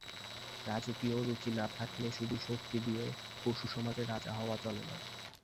রাজকীয় রুচি না থাকলে শুধু শক্তি দিয়ে পশুসমাজে রাজা হওয়া চলে না।